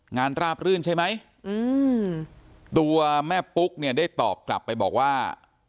ราบรื่นใช่ไหมอืมตัวแม่ปุ๊กเนี่ยได้ตอบกลับไปบอกว่า